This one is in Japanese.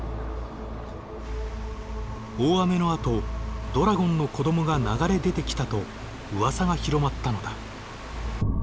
大雨のあとドラゴンの子どもが流れ出てきたとうわさが広まったのだ。